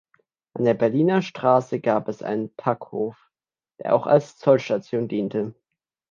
An der Berliner Straße gab es einen Packhof, der auch als Zollstation diente.